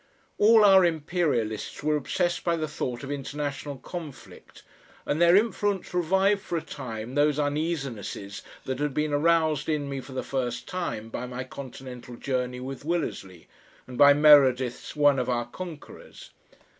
All our Imperialists were obsessed by the thought of international conflict, and their influence revived for a time those uneasinesses that had been aroused in me for the first time by my continental journey with Willersley and by Meredith's "One of Our Conquerors."